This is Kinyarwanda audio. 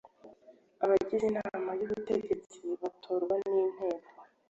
Abagize Inama y ubutegetsi batorwa n Inteko